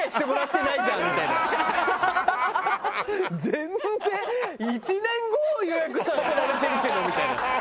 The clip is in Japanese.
全然１年後を予約させられてるけどみたいな。